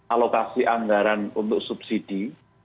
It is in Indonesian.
alokasi anggaran untuk subsidi